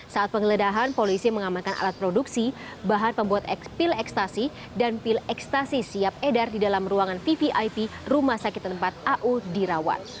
saat penggeledahan polisi mengamankan alat produksi bahan pembuat pil ekstasi dan pil ekstasi siap edar di dalam ruangan vvip rumah sakit tempat au dirawat